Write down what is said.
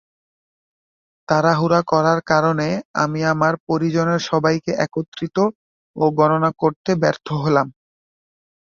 তাড়াহুড়া করার কারণে আমি আমার পরিজনের সবাইকে একত্রিত ও গণনা করতে ব্যর্থ হলাম।